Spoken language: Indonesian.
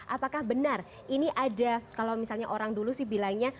apakah benar ini ada kalau misalnya orang dulu sih bilangnya